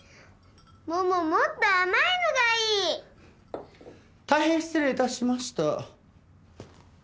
桃もっと甘いのがいい！大変失礼致しました。